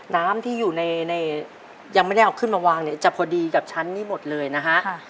น้ำที่อยู่ในยังไม่ได้เอาขึ้นมาวางเนี่ยจะพอดีกับชั้นนี้หมดเลยนะฮะ